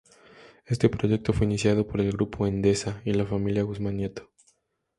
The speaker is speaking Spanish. Este proyecto fue iniciado por el grupo Endesa y la Familia Guzmán Nieto.